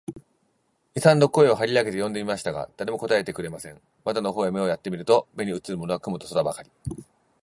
二三度声を張り上げて呼んでみましたが、誰も答えてくれません。窓の方へ目をやって見ると、目にうつるものは雲と空ばかり、